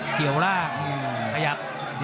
เกี่ยวรากขยัด